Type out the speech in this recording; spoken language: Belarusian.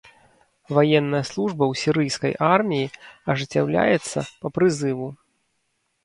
Ваенная служба ў сірыйскай арміі ажыццяўляецца па прызыву.